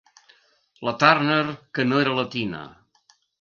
La Turner que no era la Tina.